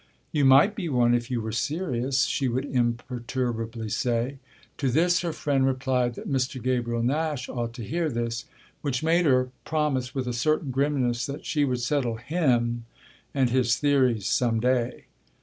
"You might be one if you were serious," she would imperturbably say. To this her friend replied that Mr. Gabriel Nash ought to hear this; which made her promise with a certain grimness that she would settle him and his theories some day.